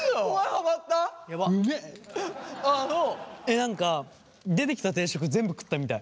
何か出てきた定食全部食ったみたい。